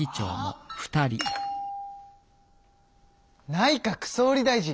内閣総理大臣！